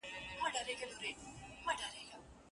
جماع تر کتلو او لمسولو لوړ حالت دی.